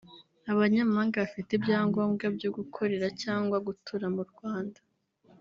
Abanyamahanga bafite ibyangombwa byo gukorera cyangwa gutura mu Rwanda